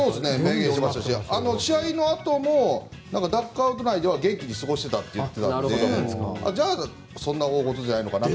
試合のあともダッグアウト内では元気に過ごしていたといっていたのでじゃあ、そんな大ごとじゃないのかなって。